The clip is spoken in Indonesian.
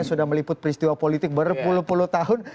sudah meliput peristiwa politik berpuluh puluh tahun